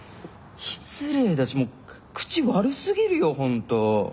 失礼だしもう口悪すぎるよほんと。